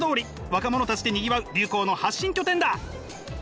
若者たちでにぎわう流行の発信拠点だ！